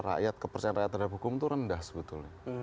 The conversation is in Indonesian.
rakyat kepercayaan rakyat terhadap hukum itu rendah sebetulnya